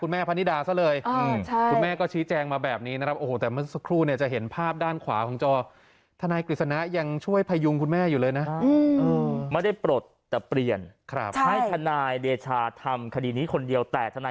ไม่ค่อยให้ลูกความพูดอยู่แล้ว